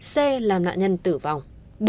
c làm nạn nhân tử vong